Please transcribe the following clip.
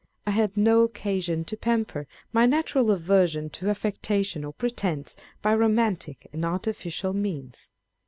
I had no occasion to pamper my natural aversion to affectation or pretence, by romantic and artificial means.